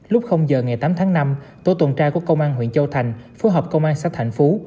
lúc giờ ngày tám tháng năm tổ tuần tra của công an huyện châu thành phối hợp công an xã thạnh phú